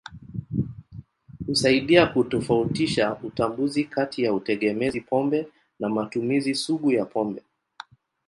Husaidia kutofautisha utambuzi kati ya utegemezi pombe na matumizi sugu ya pombe.